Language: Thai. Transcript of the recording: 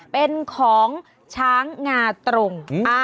เป็นของช้างงาตรง